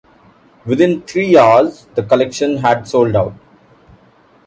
Within three hours the collection had sold out.